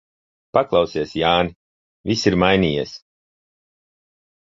Paklausies, Jāni, viss ir mainījies.